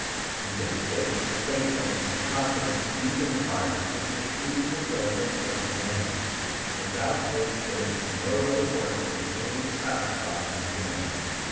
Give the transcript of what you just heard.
And this faith, faithfulness, confidence deep in the heart, is the true fulfilling of the First Commandment; without this there is no other work that is able to satisfy this Commandment.